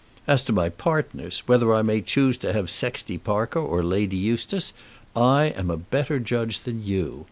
As to my partners, whether I may choose to have Sexty Parker or Lady Eustace, I am a better judge than you.